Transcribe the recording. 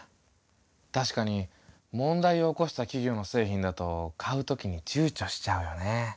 確かに問題を起こした企業の製品だと買うときにちゅうちょしちゃうよね。